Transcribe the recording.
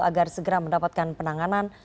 agar segera mendapatkan penanganan